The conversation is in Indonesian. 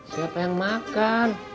saya pengen makan